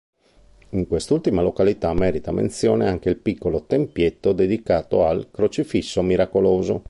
In quest'ultima località merita menzione anche il piccolo tempietto dedicato al "“Crocifisso miracoloso”".